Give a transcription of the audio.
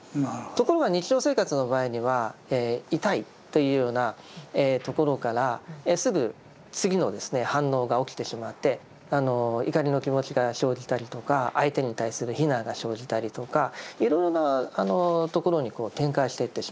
ところが日常生活の場合には痛いというようなところからすぐ次の反応が起きてしまって怒りの気持ちが生じたりとか相手に対する非難が生じたりとかいろいろなところに展開していってしまいます。